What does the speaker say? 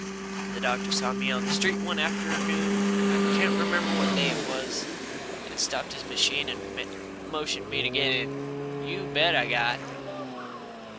The doctor saw me on the street one afternoon I can't remember what day it was and stopped his machine and motioned to me to get in. You bet I got.